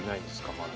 まだ。